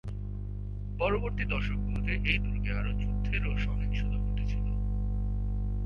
পরবর্তী দশকগুলিতে এই দুর্গে আরো যুদ্ধের ও সহিংসতা ঘটেছিল।